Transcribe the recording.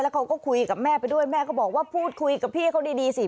เขาก็คุยกับแม่ไปด้วยแม่ก็บอกว่าพูดคุยกับพี่เขาดีสิ